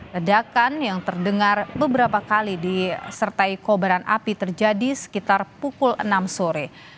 ledakan yang terdengar beberapa kali disertai kobaran api terjadi sekitar pukul enam sore